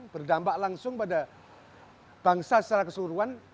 berdampak langsung pada bangsa secara keseluruhan